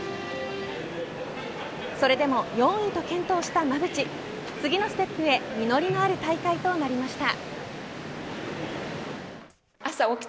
それでも４位と健闘した馬淵次のステップへ実りのある大会となりました。